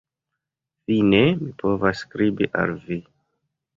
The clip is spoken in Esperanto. Fine mi povas skribi al vi.